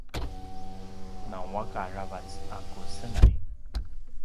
nguaq aravac a ku senay